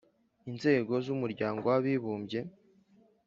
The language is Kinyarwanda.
Inzego z umryango w’abibumbye